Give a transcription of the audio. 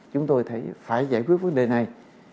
chúng tôi phải giải quyết vấn đề này